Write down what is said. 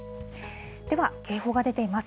では警報が出ています。